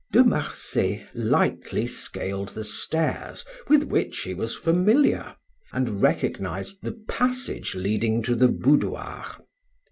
De Marsay lightly scaled the stairs, with which he was familiar, and recognized the passage leading to the boudoir.